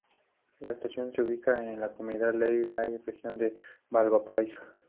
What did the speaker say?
La estación se ubicaba en la comuna de Llay-Llay, Región de Valparaíso.